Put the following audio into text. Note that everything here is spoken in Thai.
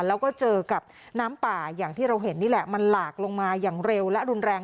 แล้วก็เจอกับน้ำป่าอย่างที่เราเห็นนี่แหละมันหลากลงมาอย่างเร็วและรุนแรง